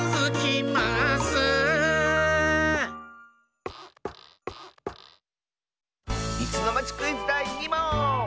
「いすのまちクイズ」だい２もん！